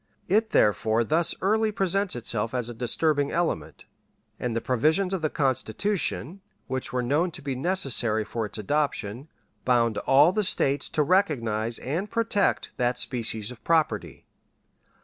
It therefore thus early presents itself as a disturbing element, and the provisions of the Constitution, which were known to be necessary for its adoption, bound all the States to recognize and protect that species of property.